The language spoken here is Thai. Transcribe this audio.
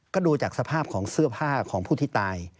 ก็ดูจากสภาพของเสื้อผ้าของผู้ที่ตาย